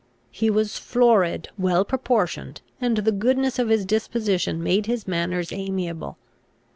He was florid, well proportioned, and the goodness of his disposition made his manners amiable.